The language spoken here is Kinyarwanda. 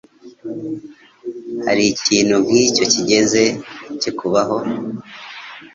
Hari ikintu nkicyo cyigeze kikubaho?